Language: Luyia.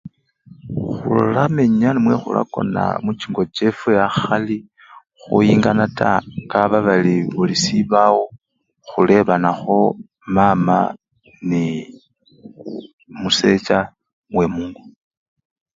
Khulamenya namwe khulakona muchingo chefwe akhali khuyinga taa kaba bali busibawo khulebanakho mama nee! umusecha wemungo.